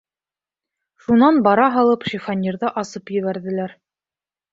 Шунан бара һалып шифоньерҙы асып ебәрҙеләр.